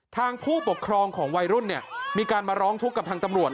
ผู้ปกครองของวัยรุ่นมีการมาร้องทุกข์กับทางตำรวจ